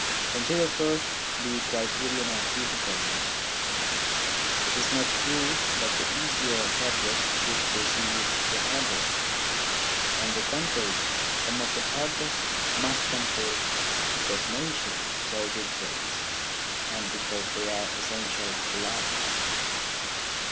Consider first the criterion of difficulty. It is not true that the easier subjects should precede the harder. On the contrary, some of the hardest must come first because nature so dictates, and because they are essential to life.